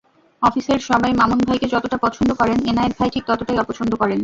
অফিসের সবাই মামুন ভাইকে যতটা পছন্দ করেন এনায়েত ভাই ঠিক ততটাই অপছন্দ করেন।